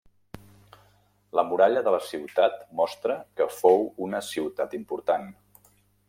La muralla de la ciutat mostra que fou una ciutat important.